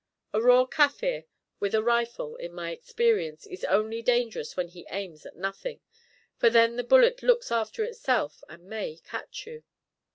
A raw Kaffir with a rifle, in my experience, is only dangerous when he aims at nothing, for then the bullet looks after itself, and may catch you.